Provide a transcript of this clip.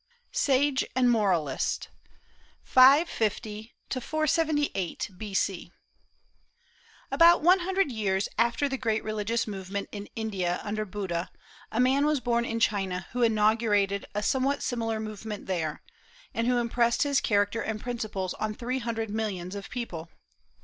SAGE AND MORALIST. 550 478 B.C. About one hundred years after the great religious movement in India under Buddha, a man was born in China who inaugurated a somewhat similar movement there, and who impressed his character and principles on three hundred millions of people.